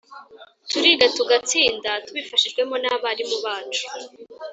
Turiga tugatsinda tubifashijwemo n'abarimu bacu